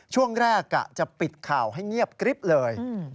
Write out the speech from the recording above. ช่วงแรกกะจะปิดข่าวให้เงียบกริ๊บเลย